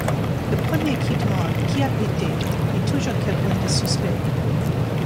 Le premier qui demande « qui a pété ?» est toujours quelqu’un de suspect.